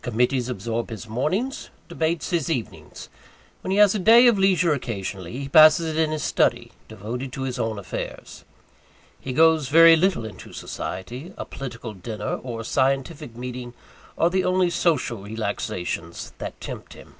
Committees absorb his mornings debates his evenings. When he has a day of leisure occasionally, he passes it in his study, devoted to his own affairs. He goes very little into society a political dinner, or a scientific meeting are the only social relaxations that tempt him.